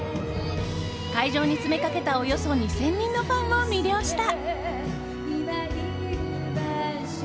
会場に詰めかけたおよそ２０００人のファンを魅了した。